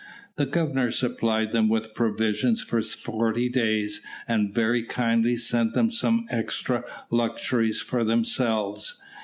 The Governor supplied them with provisions for forty days, and very kindly sent them some extra luxuries for themselves.